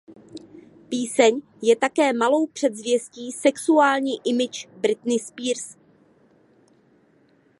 Píseň je také malou předzvěstí sexuální image Britney Spears.